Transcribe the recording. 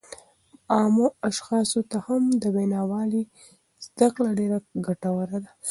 عامو اشخاصو ته هم د وینا والۍ زده کړه ډېره ګټوره ده